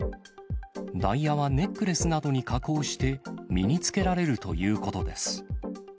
ダイヤはネックレスなどに加工して、身につけられるということです。